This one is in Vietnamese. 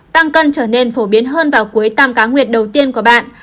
tăng cân trở nên phổ biến hơn vào cuối tam cá nguyệt đầu tiên của bạn